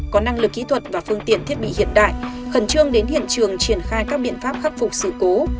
có năng lực kỹ thuật và phương tiện thiết bị hiện đại khẩn trương đến hiện trường triển khai các biện pháp khắc phục sự cố